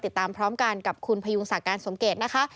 ติดตามพร้อมกันกับคุณพยุงศักดิ์การสมเกตนะคะ